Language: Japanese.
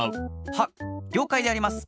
はっりょうかいであります。